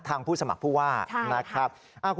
ผู้สมัครผู้ว่านะครับ